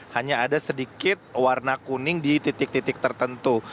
hanya ada sedikit warna kuning di titik titik tertentu